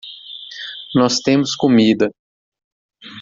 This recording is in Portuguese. Nós temos comida.